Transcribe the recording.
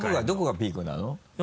どこがピークなの？